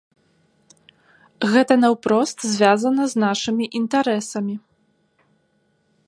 Гэта наўпрост звязана з нашымі інтарэсамі.